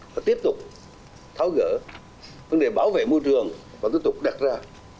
và tiếp tục tháo gỡ vấn đề bảo vệ môi trường và tiếp tục đặt ra